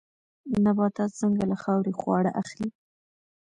نباتات څنګه له خاورې خواړه اخلي؟